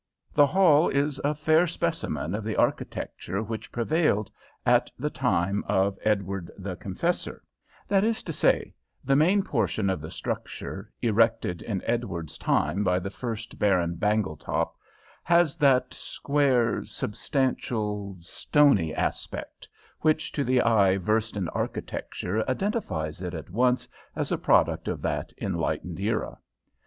The hall is a fair specimen of the architecture which prevailed at the time of Edward the Confessor; that is to say, the main portion of the structure, erected in Edward's time by the first Baron Bangletop, has that square, substantial, stony aspect which to the eye versed in architecture identifies it at once as a product of that enlightened era.